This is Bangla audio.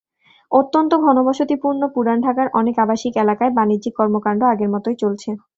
অত্যন্ত ঘনবসতিপূর্ণ পুরান ঢাকার অনেক আবাসিক এলাকায় বাণিজ্যিক কর্মকাণ্ড আগের মতোই চলছে।